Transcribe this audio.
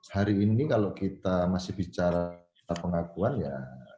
hari ini kalau kita masih bicara pengakuan ya